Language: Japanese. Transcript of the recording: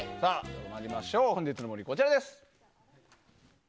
本日の森はこちらです。